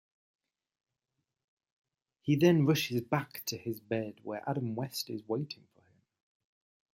He then rushes back to his bed where Adam West is waiting for him.